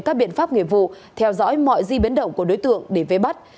các biện pháp nghiệp vụ theo dõi mọi di biến động của đối tượng để vế bắt